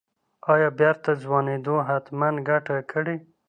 اها بېرته ځوانېدو حتمن ګته کړې.